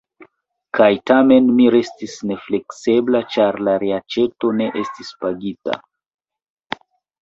Kaj tamen mi restis nefleksebla, ĉar la reaĉeto ne estis pagita.